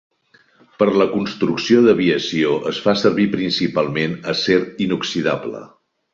Per la construcció d'aviació es fa servir principalment acer inoxidable.